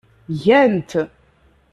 Gan-t.